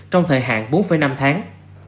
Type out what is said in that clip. trong thời hạn bốn năm tháng